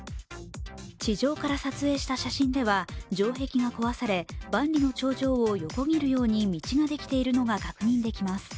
地上から撮影した写真では城壁が怖され万里の長城を横切るように道ができているのが確認できます。